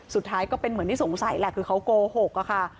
ก็เป็นเหมือนที่สงสัยแหละคือเขาโกหกอะค่ะ